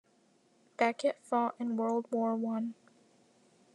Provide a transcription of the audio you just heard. Beckett fought in World War One.